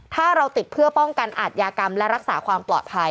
ถ้าเราติดเพื่อป้องกันอาทยากรรมและรักษาความปลอดภัย